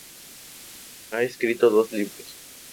Ha escrito dos libros.